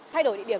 thay đổi địa điểm